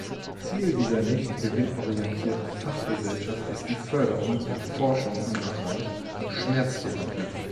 Ziel dieser nicht gewinnorientierten Fachgesellschaft ist die Förderung der Forschung im Bereich Schmerztherapie.